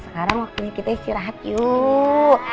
sekarang waktunya kita istirahat yuk